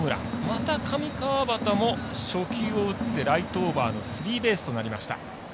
また上川畑も、初球を打ってライトオーバーのスリーベースとなりました。